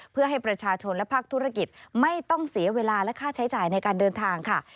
เพื่อให้ประชาชนและภาคธุรกิจไม่ต้องเสียเวลาและค่าใช้จ่ายในการเดินทางค่ะ